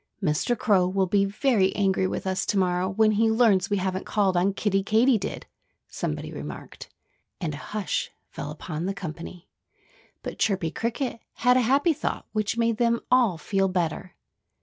"Mr. Crow will be very angry with us to morrow when he learns we haven't called on Kiddie Katydid," somebody remarked. And a hush fell upon the company. But Chirpy Cricket had a happy thought, which made them all feel better.